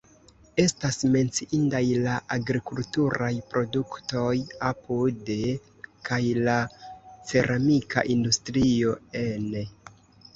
Estas menciindaj la agrikulturaj produktoj (apude) kaj la ceramika industrio (ene).